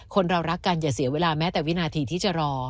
คนเรารักกันอย่าเสียเวลาแม้แต่วินาทีที่จะรอ